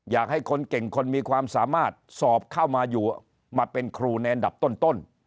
อยากให้คนเก่งคนมีความสามารถสอบเข้ามาอยู่มาเป็นครูในอันดับต้น